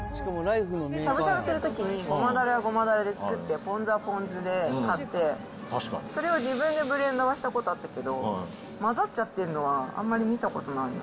しゃぶしゃぶするときに、ごまだれはごまだれで作って、ポン酢はポン酢で買って、それを自分でブレンドはしたことあったけど、混ざっちゃってるのは、あんまり見たことないな。